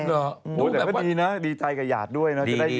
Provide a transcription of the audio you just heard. แต่ก็ดีนะดีใจกับหยาดด้วยนะ